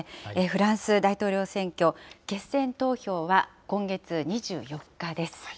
フランス大統領選挙、決選投票は今月２４日です。